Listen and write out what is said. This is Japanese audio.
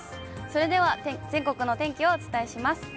それでは全国のお天気をお伝えします。